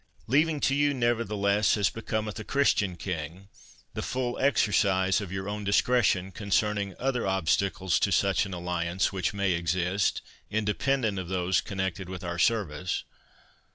Leaving to you, nevertheless, as becometh a Christian King, the full exercise of your own discretion concerning other obstacles to such an alliance, which may exist, independent of those connected with our service.